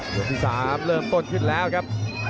ที่๓เริ่มต้นขึ้นแล้วครับ